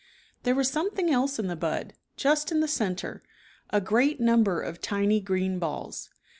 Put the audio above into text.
There was something else in the bud, just in the center, a great number of tiny green balls.